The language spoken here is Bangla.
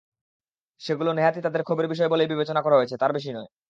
সেগুলো নেহাতই তাঁদের ক্ষোভের বিষয় বলেই বিবেচনা করা হয়েছে, তার বেশি নয়।